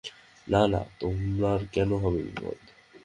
না না, তোমার কেন হবে বিপদ।